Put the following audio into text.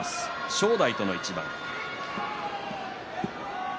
正代との一番です。